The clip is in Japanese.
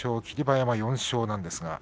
霧馬山４勝です。